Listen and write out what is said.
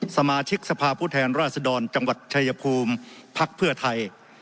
สมาชิกสภาพผู้แทนราชดรจังหวัดชายภูมิพักเพื่อไทย